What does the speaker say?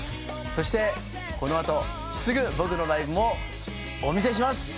そして、このあとすぐ僕のライブもお見せします。